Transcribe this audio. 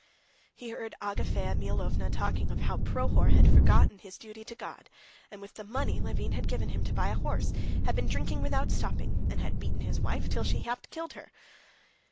He heard Agafea Mihalovna talking of how Prohor had forgotten his duty to God, and with the money Levin had given him to buy a horse, had been drinking without stopping, and had beaten his wife till he'd half killed her.